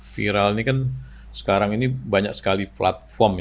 viral ini kan sekarang ini banyak sekali platform ya